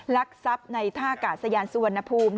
ลักษับในท่ากาศยานสวนภูมิ